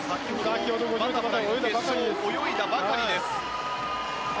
先ほどバタフライ決勝を泳いだばかりです。